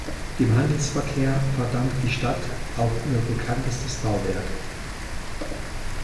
Dem Handelsverkehr verdankt die Stadt auch ihr bekanntestes Bauwerk.